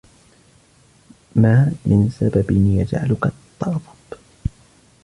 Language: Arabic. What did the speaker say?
ما من سبب يجعلك تغضب.